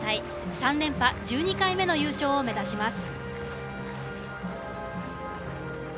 ３連覇１２回目の優勝を目指します。